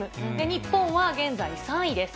日本は現在３位です。